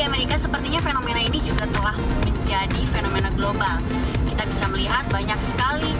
amerika sepertinya fenomena ini juga telah menjadi fenomena global kita bisa melihat banyak sekali